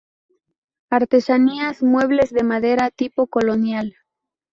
Artesanías Muebles de madera tipo colonial